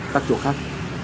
tắt chỗ khác